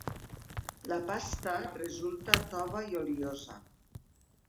La pasta resulta tova i oliosa.